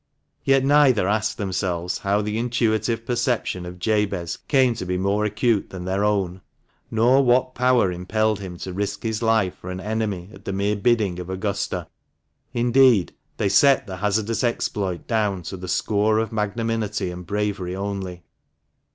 Yet neither asked themselves how the intuitive perception of Jabez came to be more acute than their own, nor what power impelled him to risk his life for an enemy at the mere bidding of Augusta. Indeed, they set the hazardous exploit down to the score of magnanimity and bravery only.